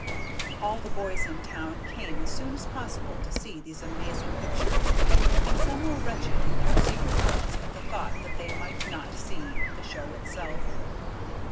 All the boys in town came as soon as possible to see these amazing pictures, and some were wretched in their secret hearts at the thought that they might not see the show itself.